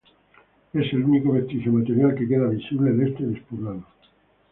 Es el único vestigio material que queda visible de este despoblado.